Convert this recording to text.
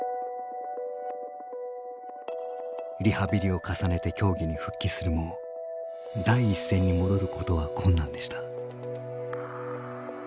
リハビリを重ねて競技に復帰するも第一線に戻ることは困難でした。